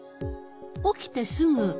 起きてすぐ。